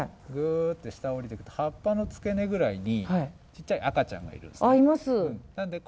下に下りていくと葉っぱの付け根くらいにちっちゃい赤ちゃんがいるんですけど。